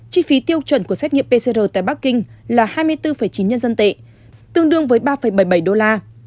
chi phí tiêu chuẩn của xét nghiệm pcr tại bắc kinh là hai mươi bốn chín nhân dân tệ tương đương với ba bảy mươi bảy đô la